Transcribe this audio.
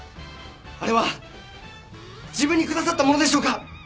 あれは自分に下さったものでしょうか！